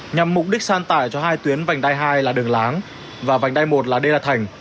nhằm mục đích san tải cho hai tuyến vành đai hai là đường láng và vành đai một là đê la thành